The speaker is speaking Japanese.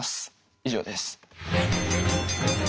以上です。